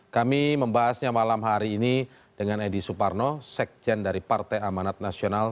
kami membahasnya malam hari ini dengan edi suparno sekjen dari partai amanat nasional